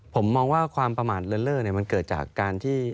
ผมมองว่าความประมาทเลินเล่อมันเกิดจากการที่